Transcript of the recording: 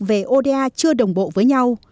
về ô đa chưa đồng bộ với nhau